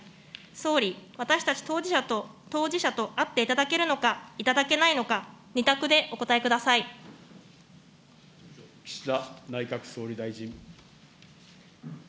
総理、私たち当事者と、当事者と会っていただけるのか、いただけないのか、岸田内閣総理大臣。